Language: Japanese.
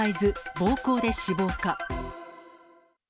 暴行で死亡か。